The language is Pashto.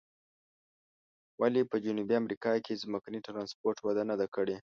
ولې په جنوبي امریکا کې ځمکني ترانسپورت وده نه ده کړې؟